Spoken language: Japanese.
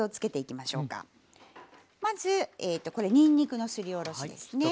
まずこれにんにくのすりおろしですね。